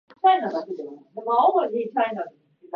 弦楽器にはバイオリンとビオラ、チェロ、コントラバスがある。